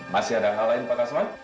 masih ada hal lain pak kasman